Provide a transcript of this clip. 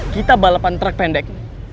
kita balapan truk pendek